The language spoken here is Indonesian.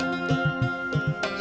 aduh aduh aduh